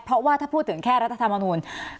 เพราะว่าถ้าพูดถึงแค่รัฐธรรมนูล